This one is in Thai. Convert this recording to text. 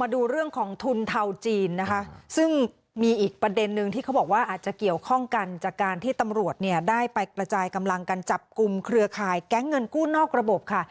มาดูเรื่องของทุนเทาจีนนะคะซึ่งมีอีกประเด็นนึงที่เขาบอกว่าอาจจะเกี่ยวข้องกันจากการที่ตำรวจเนี่ยได้ไปกระจายกำลังกันจับกลุ่มเครือข่ายแก๊งเงินกู้นอกระบบค่ะ